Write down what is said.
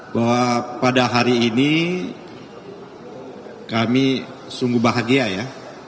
bahwa pada hari ini kami sungguh bahagia ya